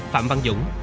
phạm văn dũng